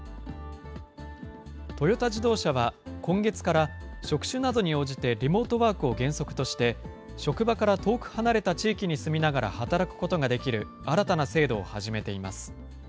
トヨタ自動車は、今月から職種などに応じてリモートワークを原則として、職場から遠く離れた地域に住みながら働くことができる新たな制度